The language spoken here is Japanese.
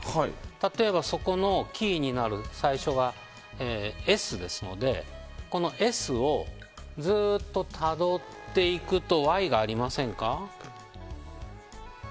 例えば、そこのキーになる最初がＳですので、このＳをずっとたどっていくとＹがありませんか？